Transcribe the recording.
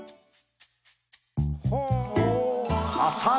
ほう。